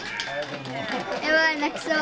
やばい泣きそう。